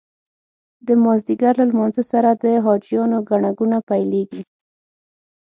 د مازدیګر له لمانځه سره د حاجیانو ګڼه ګوڼه پیلېږي.